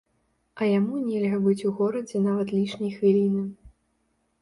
А яму нельга быць у горадзе нават лішняй хвіліны.